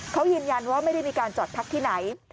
เขายืนยันว่าไม่ได้มีการจอดพักที่ไหน